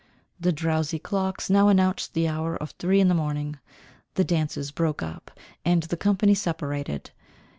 The drowsy clocks now announced the hour of three in the morning. The dances broke up, and the company separated.